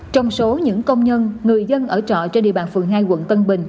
trong số những công nhân người dân ở trọ trên địa bàn phường hai quận tân bình